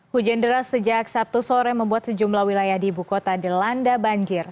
hujan deras sejak sabtu sore membuat sejumlah wilayah di ibu kota dilanda banjir